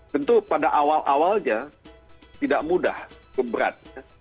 tentu pada awal awalnya tidak mudah